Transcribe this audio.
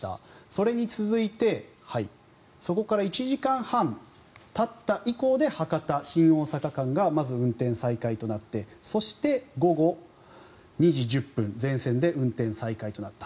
それに続いてそこから１時間半たった以降で博多新大阪間がまず運転再開となってそして、午後２時１０分全線で運転再開となった。